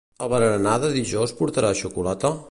El berenar de dijous portarà xocolata?